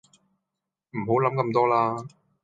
唔好諗咁多啦